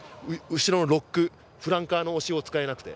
後ろのロックフランカーの押しを使えなくて。